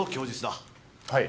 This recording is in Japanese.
はい。